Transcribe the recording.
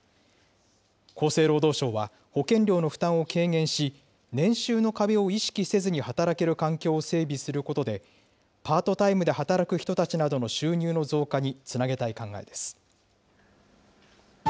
厚生労働省は、保険料の負担を軽減し、年収の壁を意識せずに働ける環境を整備することで、パートタイムで働く人たちなどの収入の増加につなげたい考えです。